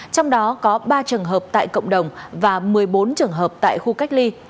trong đó có ba trường hợp tại cộng đồng và một mươi bốn trường hợp tại khu cách ly